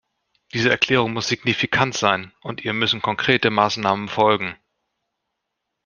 Diese Erklärung muss signifikant sein, und ihr müssen konkrete Maßnahmen folgen.